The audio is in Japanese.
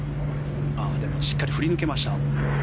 でも、しっかり振り抜けました。